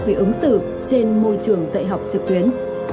về ứng xử trên môi trường dạy học trực tuyến